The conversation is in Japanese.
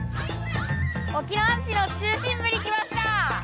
沖縄市の中心部に来ました！